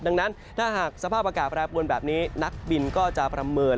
ดังนั้นถ้าหากสภาพอากาศแปรปวนแบบนี้นักบินก็จะประเมิน